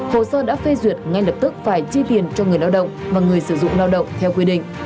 hồ sơ đã phê duyệt ngay lập tức phải chi tiền cho người lao động và người sử dụng lao động theo quy định